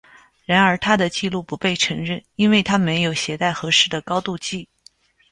然而，他的记录不被承认，因为他没有携带合适的高度计。